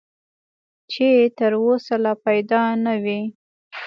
چې تر اوسه لا پیدا نه وي .